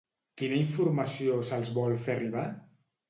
Quina informació se'ls vol fer arribar?